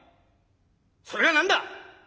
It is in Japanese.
それが何だ！